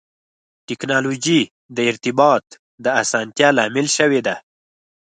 ټکنالوجي د ارتباط د اسانتیا لامل شوې ده.